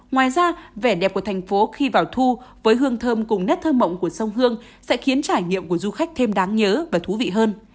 ngoài ra vẻ đẹp của thành phố khi vào thu với hương thơm cùng nét thơm mộng của sông hương sẽ khiến trải nghiệm của du khách thêm đáng nhớ và thú vị hơn